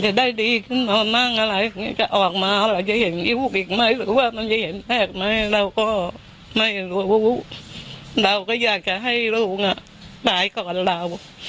หรือว่ามันจะเห็นแทรกไหมเราก็ไม่รู้เราก็อยากจะให้ลูกตายก่อนเรา